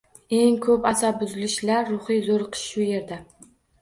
Eng ko‘p asabbuzilishlar, ruhiy zo‘riqish shu yerda.